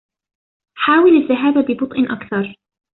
حاول الذهاب ببطء أكثر.